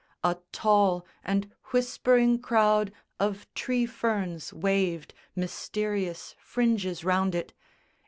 A tall and whispering crowd of tree ferns waved Mysterious fringes round it.